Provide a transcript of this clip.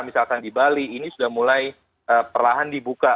misalkan di bali ini sudah mulai perlahan dibuka